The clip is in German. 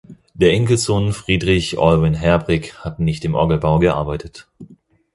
Der Enkelsohn Friedrich Alwin Herbrig hat nicht im Orgelbau gearbeitet.